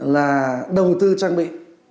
là đầu tư trang bị